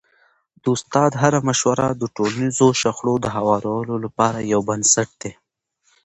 د استاد هره مشوره د ټولنیزو شخړو د هوارولو لپاره یو بنسټ دی.